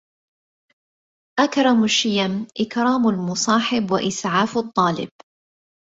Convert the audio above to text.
أكرم الشّيم إكرام المُصاحب وإسعاف الطّالب.